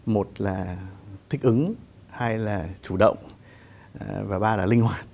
một là thích ứng hai là chủ động và ba là linh hoạt